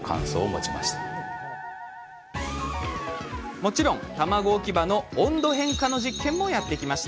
もちろん卵置き場の温度変化の実験もやってきました。